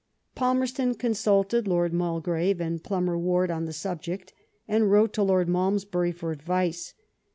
'^ Falmerston con sulted Lord Mulgrave and Plumer Ward on the point, and wrote to Lord Malmesbury for advice.